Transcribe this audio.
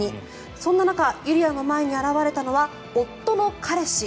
そんな中、ゆりあの前に現れたのは夫の彼氏。